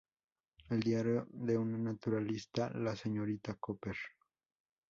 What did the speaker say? El diario de una naturalista, la señorita Cooper.